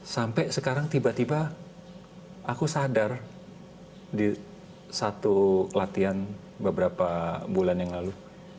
sampai sekarang tiba tiba aku sadar di satu latihan beberapa bulan yang lalu